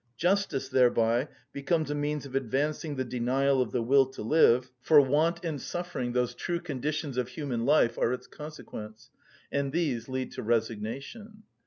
Justice thereby becomes a means of advancing the denial of the will to live, for want and suffering, those true conditions of human life, are its consequence, and these lead to resignation.